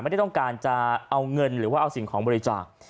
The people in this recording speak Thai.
ไม่ได้ต้องการจะเอาเงินหรือว่าเอาสิ่งของบริจาค